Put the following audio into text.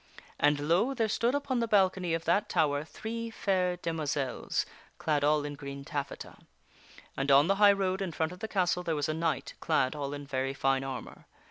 And lo ! there stood upon the balcony of that tower King Arthur three fair demoiselles, clad all in green taffeta. And on the Cometh upon a high road in front of the castle there was a knight clad all in *taining n the~ very fine armor.